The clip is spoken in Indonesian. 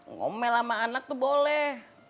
ngomel sama anak tuh boleh